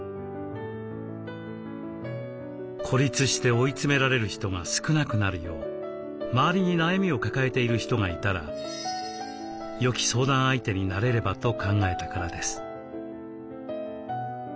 孤立して追い詰められる人が少なくなるよう周りに悩みを抱えている人がいたらよき相談相手になれればと考えたからです。